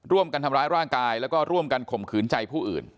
ร่วมกันทำร้ายร่างกายแล้วก็ร่วมกันข่มขืนใจผู้อื่น